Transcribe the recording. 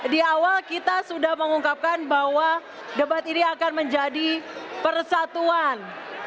di awal kita sudah mengungkapkan bahwa debat ini akan menjadi persatuan